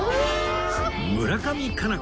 村上佳菜子